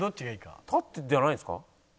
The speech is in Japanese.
立ってじゃないんですか？